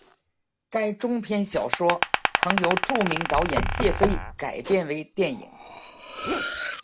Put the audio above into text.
该中篇小说曾由著名导演谢飞改编为电影。